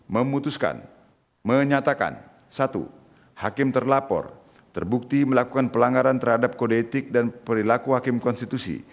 memutuskan menyatakan satu hakim terlapor terbukti melakukan pelanggaran terhadap kode etik dan perilaku hakim konstitusi